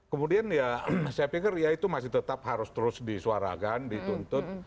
kemudian ya saya pikir ya itu masih tetap harus terus disuarakan dituntut